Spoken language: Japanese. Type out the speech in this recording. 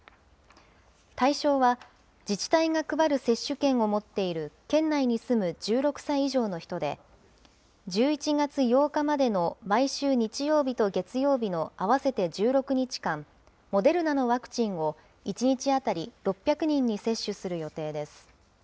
対象は、自治体が配る接種券を持っている県内に住む１６歳以上の人で、１１月８日までの毎週日曜日と月曜日の合わせて１６日間、モデルナのワクチンを１日当たり６００人に接種する予定です。